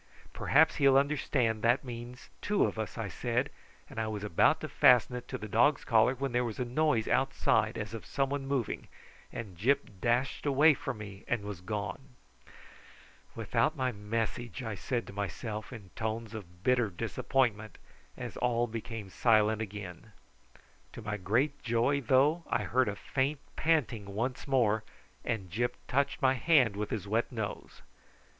"Perhaps he will understand that means two of us," I said; and I was about to fasten it to the dog's collar, when there was a noise outside as of some one moving, and Gyp dashed away from me and was gone. "Without my message," I said to myself in tones of bitter disappointment, as all became silent again. To my great joy, though, I heard a faint panting once more, and Gyp touched my hand with his wet nose.